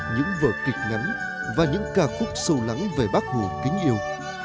những vở kịch ngắn và những ca khúc sâu lắng về bác hồ kính yêu